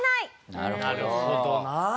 なるほどな。